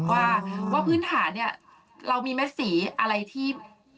ว่าพื้นฐานเนี่ยเรามีเม็ดสีอะไรที่